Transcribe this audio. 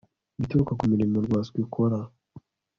ibituruka ku mirimo rwasco ikora